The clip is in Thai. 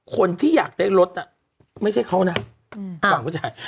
คนที่อยากได้รถน่ะไม่ใช่เขานะฝั่งผู้ชาย